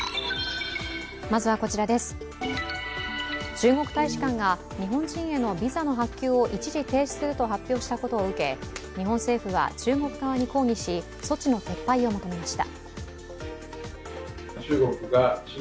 中国大使館が日本人へのビザの発給を一時停止すると発表したことを受け、日本政府は中国側に抗議し、措置の撤廃を求めました。